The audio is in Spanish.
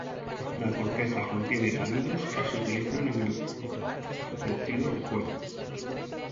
La corteza contiene taninos, que se utilizan en el curtido del cuero.